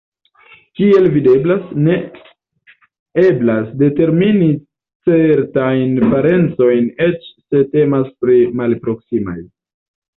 Kiel videblas, ne eblas determini certajn parencojn eĉ se temas pri malproksimaj.